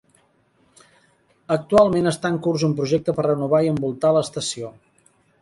Actualment està en curs un projecte per renovar i envoltar l'estació.